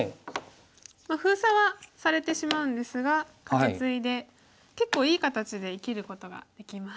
まあ封鎖はされてしまうんですがカケツイで結構いい形で生きることができます。